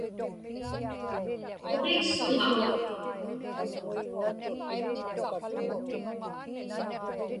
Puqiksuŋa.